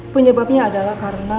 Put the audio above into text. penyebabnya adalah karena